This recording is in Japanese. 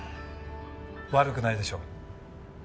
悪くないでしょう？